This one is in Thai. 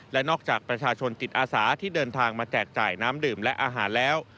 และนอกจากประชาชนจิตอาสาที่เดินทางมาแจกจ่ายน้ำดื่มและอาหารแล้ว